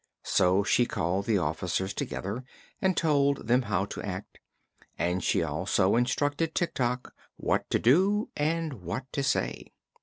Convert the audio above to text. So she called the officers together and told them how to act, and she also instructed Tik Tok what to do and what to say.